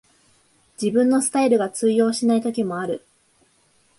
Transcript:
自分のスタイルが通用しない時もある